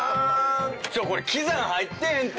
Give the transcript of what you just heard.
これ喜山入ってへんって！